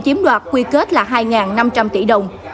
hoặc quy kết là hai năm trăm linh tỷ đồng